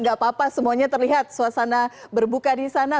gak apa apa semuanya terlihat suasana berbuka di sana